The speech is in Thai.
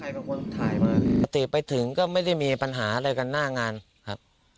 ถ่ายมาปกติไปถึงก็ไม่ได้มีปัญหาอะไรกันหน้างานครับ